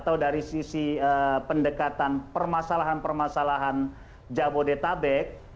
atau dari sisi pendekatan permasalahan permasalahan jabodetabek